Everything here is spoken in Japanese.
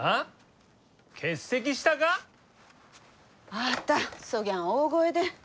あなたそぎゃん大声で。